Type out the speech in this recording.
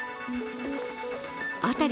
辺り